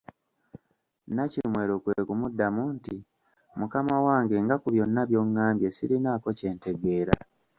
Nnakimwero kwe kumuddamu nti, Mukama wange nga ku byonna by’ongambye sirinaako kye ntegeera.